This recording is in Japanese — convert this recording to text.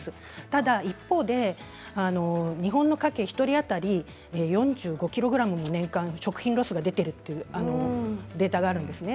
ただ一方で日本の家計１人当たり４５ｋｇ、年間食品ロスが出ているというデータがあります。